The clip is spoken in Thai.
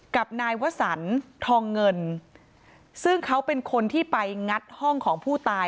กับนายวสันทองเงินซึ่งเขาเป็นคนที่ไปงัดห้องของผู้ตาย